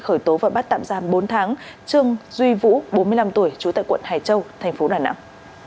khởi tố vợ bắt tạm giam bốn tháng trương duy vũ bốn mươi năm tuổi trú tại quận hải châu tp đà nẵng